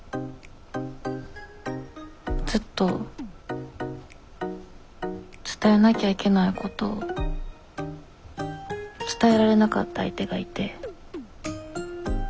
ずっと伝えなきゃいけないことを伝えられなかった相手がいて。